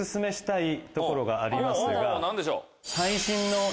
何でしょう？